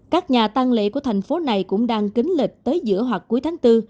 các nhà tăng lễ của thành phố này cũng đang kính lịch tới giữa hoặc cuối tháng bốn